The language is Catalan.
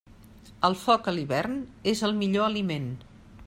El foc a l'hivern és el millor aliment.